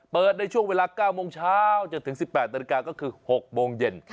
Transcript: ในช่วงเวลา๙โมงเช้าจนถึง๑๘นาฬิกาก็คือ๖โมงเย็น